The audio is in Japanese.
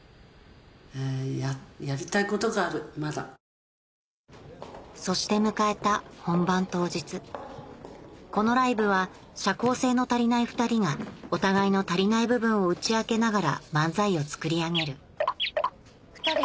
イライラには緑の漢方セラピーそして迎えた本番当日このライブは社交性の足りない２人がお互いの足りない部分を打ち明けながら漫才を作り上げる２人